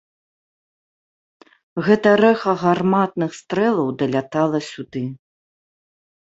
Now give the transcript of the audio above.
Гэта рэха гарматных стрэлаў далятала сюды.